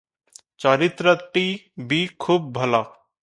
ଚରିତ୍ରଟି ବି ଖୁବ୍ ଭଲ ।